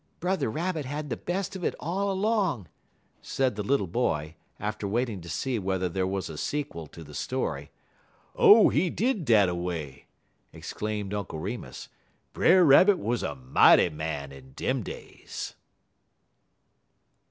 "Brother Rabbit had the best of it all along," said the little boy, after waiting to see whether there was a sequel to the story. "Oh, he did dat a way!" exclaimed Uncle Remus. "Brer Rabbit was a mighty man in dem days."